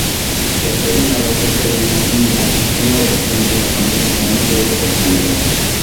La historia narra acerca de una tímida, ingenua adolescente japonesa con una doble personalidad.